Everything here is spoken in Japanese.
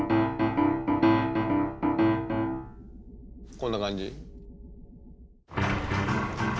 こんな感じ？